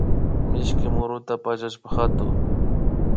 Mishki muruta pallashpa hatuy